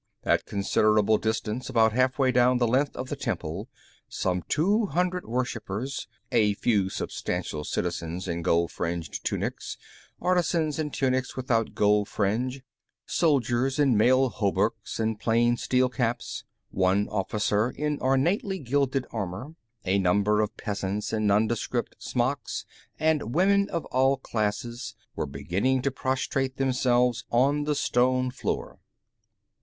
At considerable distance, about halfway down the length of the temple, some two hundred worshipers a few substantial citizens in gold fringed tunics, artisans in tunics without gold fringe, soldiers in mail hauberks and plain steel caps, one officer in ornately gilded armor, a number of peasants in nondescript smocks, and women of all classes were beginning to prostrate themselves on the stone floor.